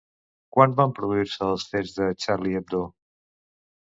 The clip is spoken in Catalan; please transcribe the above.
Quan van produir-se els fets de Charlie Hebdo?